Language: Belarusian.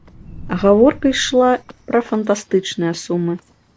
Гаворка ішла пра фантастычныя сумы.